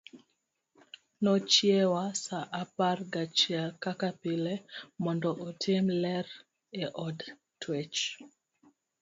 Nochiewa sa apar gachiel kaka pile mondo otim ler e od twech.